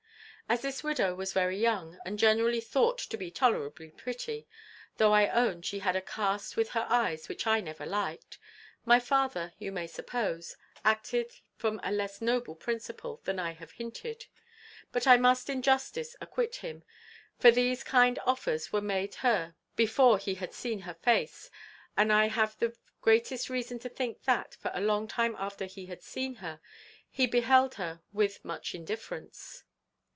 "As this widow was very young, and generally thought to be tolerably pretty, though I own she had a cast with her eyes which I never liked, my father, you may suppose, acted from a less noble principle than I have hinted; but I must in justice acquit him, for these kind offers were made her before ever he had seen her face; and I have the greatest reason to think that, for a long time after he had seen her, he beheld her with much indifference.